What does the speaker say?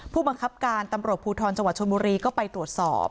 ผู้บังคับการตำรวจภูทรจังหวัดชนบุรีก็ไปตรวจสอบ